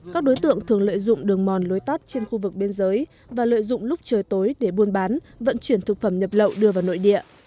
các đối tượng thường lợi dụng đường mòn lối tắt trên khu vực biên giới và lợi dụng lúc trời tối để buôn bán vận chuyển thực phẩm nhập lậu đưa vào nội địa